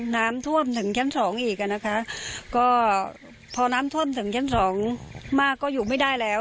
น้ำท่วมถึงชั้นสองอีกอ่ะนะคะก็พอน้ำท่วมถึงชั้นสองมากก็อยู่ไม่ได้แล้ว